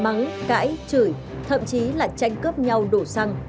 mắng cãi chửi thậm chí là tranh cướp nhau đổ xăng